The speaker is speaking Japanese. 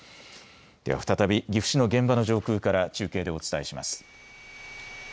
では再び岐阜市の現場の上空から中継でお伝えします。